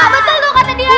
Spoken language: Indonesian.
gak betul dong kata dia